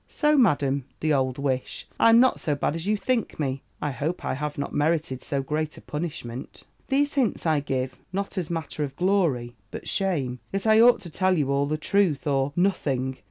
"'So, Madam, the old wish! I'm not so bad as you think me: I hope I have not merited so great a punishment.' "These hints I give, not as matter of glory, but shame: yet I ought to tell you all the truth, or nothing.